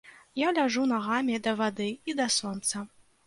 Я ляжу нагамі да вады і да сонца.